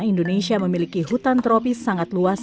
indonesia memiliki hutan tropis sangat luas